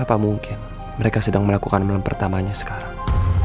apa mungkin mereka sedang melakukan malam pertamanya sekarang